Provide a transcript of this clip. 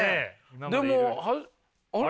でもあれ？